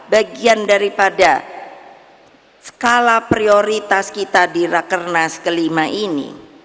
bagian daripada skala prioritas kita di rakernas ke lima ini